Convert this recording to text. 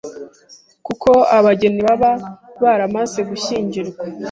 kuko abageni baba baramaze gushyingirwa